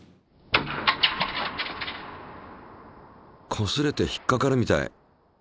こすれて引っかかるみたい。